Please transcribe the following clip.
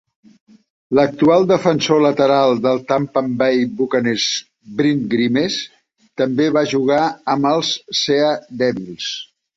L'actual defensor lateral del Tampay Bay Buccaneers, Brent Grimes, també va jugar amb els Sea Devils.